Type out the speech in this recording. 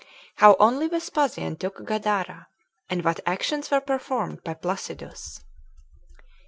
How Also Vespasian Took Gadara; And What Actions Were Performed By Placidus.